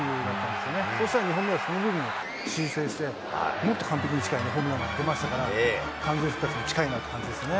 ですから２本目は修正してもっと完璧に近いホームランが出ましたから、完全復活に近いなっていう感じですね。